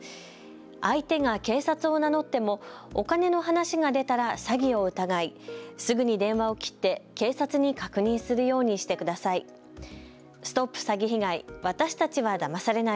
相手が警察を名乗ってもお金の話が出たら詐欺を疑い、すぐに電話を切って警察に確認するようにしてください。